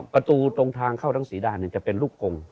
ประตูตรงทางเข้าทั้งสีด้านจะเป็นลูกกง